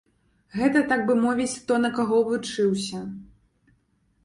Гэта, так бы мовіць, хто на каго вучыўся.